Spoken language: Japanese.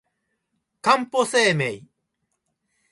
かんぽ生命